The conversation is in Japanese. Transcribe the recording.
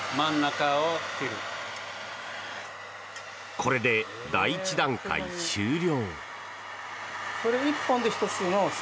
これで第１段階終了。